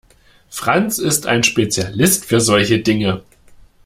Franz ist ein Spezialist für solche Dinge.